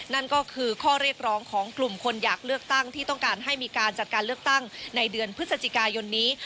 นั่นก็คือข้อเรียกร้องของกลุ่มคนอยากเลือกตั้งที่ต้องการให้มีการจัดการเลือกตั้งในเดือนพฤศจิกายนนี้